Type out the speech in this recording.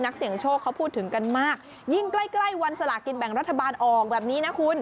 เสียงโชคเขาพูดถึงกันมากยิ่งใกล้ใกล้วันสลากินแบ่งรัฐบาลออกแบบนี้นะคุณ